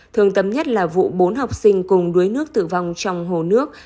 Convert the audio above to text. thường tấm nhất là vụ bốn học sinh cùng đuối nước tử vong trong hồ nước